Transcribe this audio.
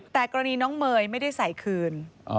แต่กรณีน้องเมย์ไม่ได้ใส่คืน